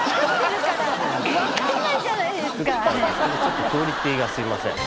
ちょっとクオリティーがすいません